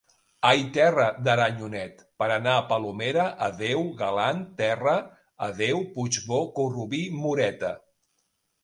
Ai, terra d'Aranyonet, per anar a Palomera; adeu, galant terra, adeu... Puigbò, Corrubí, Moreta.